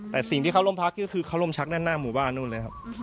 แต่สิ่งที่เขาร่มพักก็คือเขาลมชักด้านหน้าหมู่บ้านนู่นเลยครับ